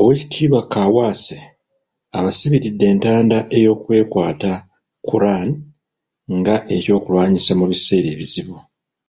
Owekitiibwa Kaawaase abasibiridde entanda ey'okwekwata Quran nga eky'okulwanyisa mu biseera ebizibu.